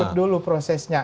ikut dulu prosesnya